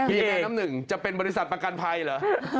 เอน้ำหนึ่งจะเป็นบริษัทประกันภัยเหรอ